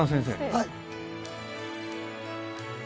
はい。